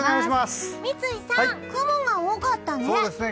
三井さん、雲が多かったね。